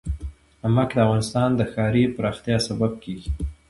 نمک د افغانستان د ښاري پراختیا سبب کېږي.